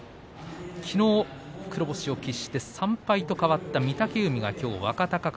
きのう黒星を喫して３敗と変わった御嶽海が若隆景。